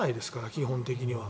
基本的には。